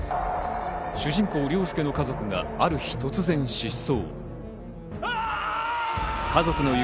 主人公・凌介の家族がある日、突然失踪。